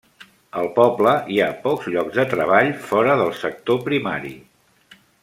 Al poble hi ha pocs llocs de treball fora del sector primari.